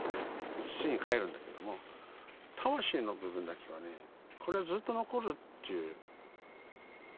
土にかえるんだけども魂の部分だけはねこれはずっと残るという。